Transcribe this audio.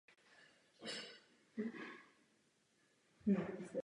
Poblíž je také bašta.